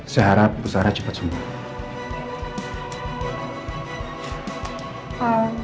saya harap besarnya cepat sembuh